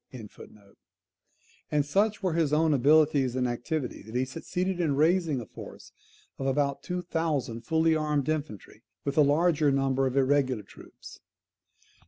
] and such were his own abilities and activity, that he succeeded in raising a force of about two thousand fully armed infantry, with a larger number of irregular troops.